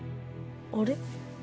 あれ。